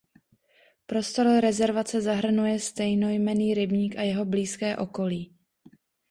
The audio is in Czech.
Prostor rezervace zahrnuje stejnojmenný rybník a jeho blízké okolí.